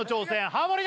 ハモリ